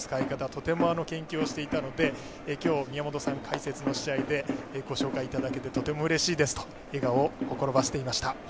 とても研究をしていたのできょう、宮本さんが解説の試合でご紹介いただけてとてもうれしいですと笑顔をほころばせていました。